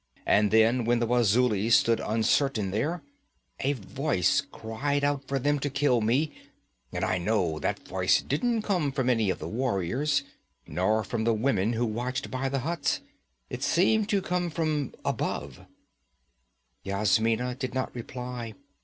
And then, when the Wazulis stood uncertain there, a voice cried out for them to kill me, and I know that voice didn't come from any of the warriors, nor from the women who watched by the huts. It seemed to come from above.' Yasmina did not reply.